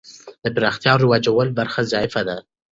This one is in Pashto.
د پراختیا او رواجول برخه ضعیفه ده.